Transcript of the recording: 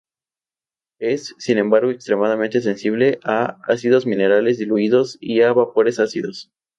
Es, sin embargo, extremadamente sensible a ácidos minerales diluidos y a vapores ácidos.